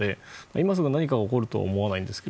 今すぐ何かが起こるとは思わないんですが。